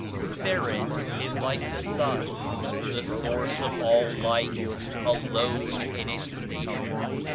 Spirit is like the Sun, the Source of all Light, alone in Its Station.